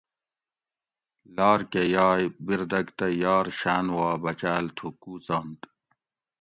لار کہ یائ بردگ تہ یار شاۤن وا بچاۤل تھُو کوڅنت